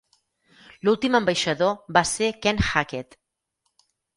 L'últim ambaixador va ser Ken Hackett.